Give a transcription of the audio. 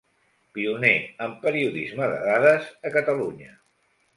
Pioner en periodisme de dades a Catalunya.